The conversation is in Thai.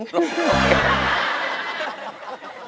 รูปน้ำแข็ง